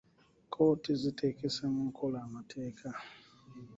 Kkooti ziteekesa mu nkola amateeka.